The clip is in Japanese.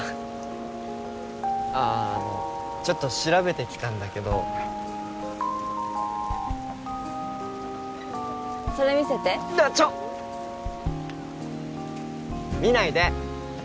あああのちょっと調べてきたんだけどそれ見せてちょっ見ないで！